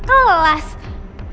bapak juga harus ikut